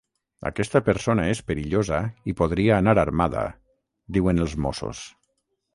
Aquesta persona és perillosa i podria anar armada –diuen els mossos–.